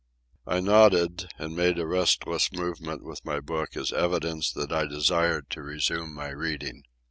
I nodded, and made a restless movement with my book as evidence that I desired to resume my reading.